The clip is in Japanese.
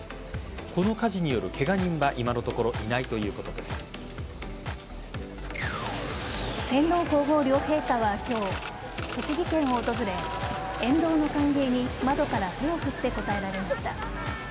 この火事によるケガ人は今のところ天皇皇后両陛下は今日栃木県を訪れ、沿道の歓迎に窓から手を振って応えました。